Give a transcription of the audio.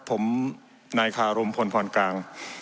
ผมนายคารมพลพรกลาง